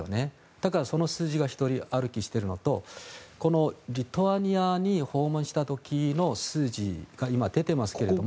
だからその数字が独り歩きしているのとリトアニアに訪問した時の数字が今、出てますけども。